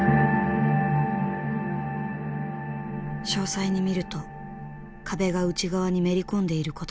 詳細に見ると壁が内側にめり込んでいることが分かる。